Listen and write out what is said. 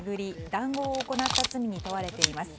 談合を行った罪に問われています。